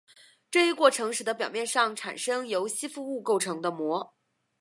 这一过程使得表面上产生由吸附物构成的膜。